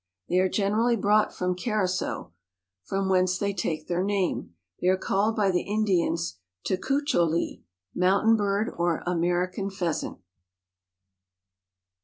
They are generally brought from Carasow, from whence they take their Name. They are called by the Indians Tecuecholi, Mountain Bird or American Pheasant."